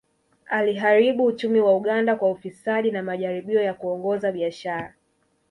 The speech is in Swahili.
Aliharibu uchumi wa Uganda kwa ufisadi na majaribio ya kuongoza biashara